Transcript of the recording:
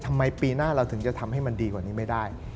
ปีหน้าเราถึงจะทำให้มันดีกว่านี้ไม่ได้